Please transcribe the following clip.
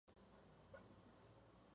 Con Sporting Cristal.